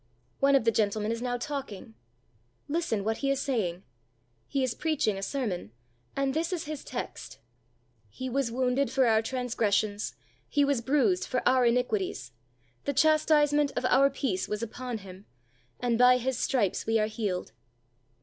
One of the gentlemen is now talking. Listen what he is saying! He is preaching a sermon, and this is his text: "_He was wounded for our transgressions, He was bruised for our iniquities: the chastisement of our peace was upon Him, and by His stripes we are healed.